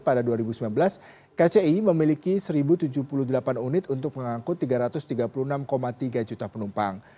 pada dua ribu sembilan belas kci memiliki satu tujuh puluh delapan unit untuk mengangkut tiga ratus tiga puluh enam tiga juta penumpang